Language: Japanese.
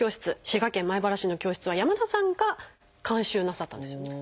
滋賀県米原市の教室は山田さんが監修なさったんですよね。